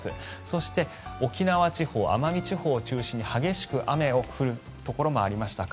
そして沖縄地方、奄美地方を中心に激しく雨が降るところもありました。